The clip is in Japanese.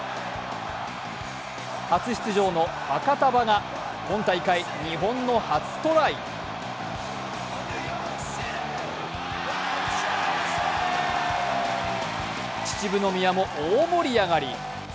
初出場のファカタヴァが今大会日本の初トライ秩父宮も大盛り上がり。